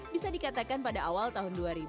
bisa dikatakan pada awal tahun dua ribu